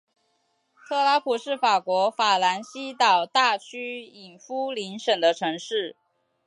特拉普是法国法兰西岛大区伊夫林省的城市。